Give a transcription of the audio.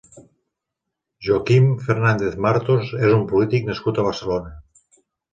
Joaquín Fernández Martos és un polític nascut a Barcelona.